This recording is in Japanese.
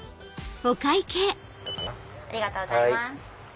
ありがとうございます。